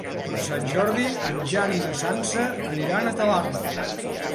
Per Sant Jordi en Jan i na Sança aniran a Talarn.